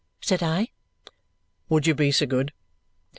said I. "Would you be so good?"